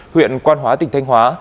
huyện quan hóa tỉnh thanh hóa